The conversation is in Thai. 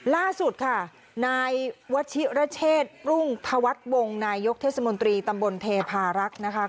ล่าสุดค่ะนายวัชิระเชษรุ่งธวัฒน์วงศ์นายกเทศมนตรีตำบลเทพารักษ์นะคะ